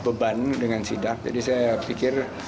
beban dengan sidak jadi saya pikir